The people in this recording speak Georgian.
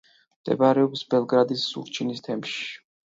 მდებარეობს ბელგრადის სურჩინის თემში.